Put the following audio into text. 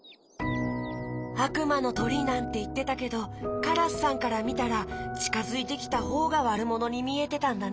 「あくまのとり」なんていってたけどカラスさんからみたらちかづいてきたほうがわるものにみえてたんだね。